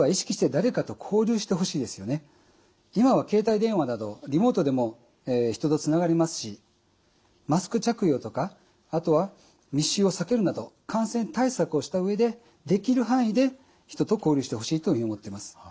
まずは今は携帯電話などリモートでも人とつながりますしマスク着用とかあとは密集を避けるなど感染対策をした上でできる範囲で人と交流してほしいというふうに思っています。